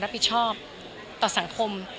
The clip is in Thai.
ขอเริ่มขออนุญาต